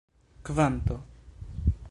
kvanto